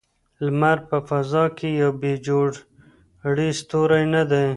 لمر په فضا کې یو بې جوړې ستوری نه دی.